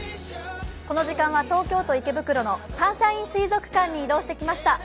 この時間は東京都池袋のサンシャイン水族館に移動してきました。